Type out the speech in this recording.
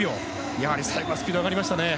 やはり最後はスピード上がりましたね。